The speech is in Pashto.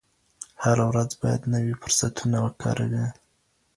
هره ورځ باید نوي فرصتونه وکاروئ.